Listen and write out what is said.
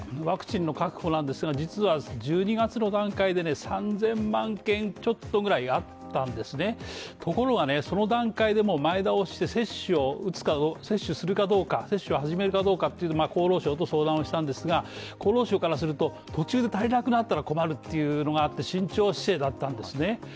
ワクチンの確保なんですが実は１２月の段階でね３０００万件ちょっとぐらいところがその段階でも前倒しして接種を打つかを接種するかどうか、接種を始めるかどうかっていう厚労省と相談をしたんですが、厚労省からすると、途中で足りなくなったら困るっていうのがあって慎重姿勢だったんですね